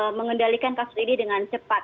dan juga mengendalikan kasus ini dengan cepat